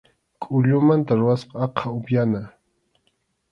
Kʼullumanta rurasqa aqha upyana.